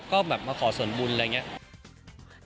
ก็แบบมาขอส่วนบุญอะไรอย่างนี้